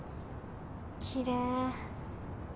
きれい。